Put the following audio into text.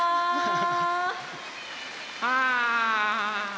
ああ！